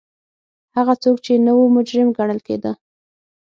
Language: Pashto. هغه څوک چې نه وو مجرم ګڼل کېده